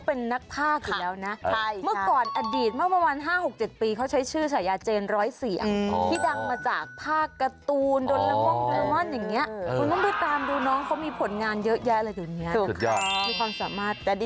น้องกราฟนี่ใช่ไหม